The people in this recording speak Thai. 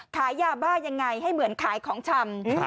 ขายยาบ้ายังไงให้เหมือนขายของชำ